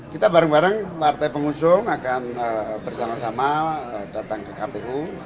kita bareng bareng partai pengusung akan bersama sama datang ke kpu